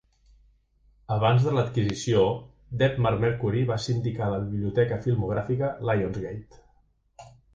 Abans de l'adquisició, Debmar-Mercury va sindicar la biblioteca filmogràfica Lionsgate.